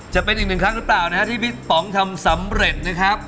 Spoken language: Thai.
จะเป็นอีกหนึ่งครั้งหรือเปล่านะฮะที่พี่ป๋องทำสำเร็จนะครับ